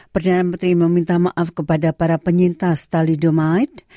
perdana menteri meminta maaf kepada para penyintas thalidomide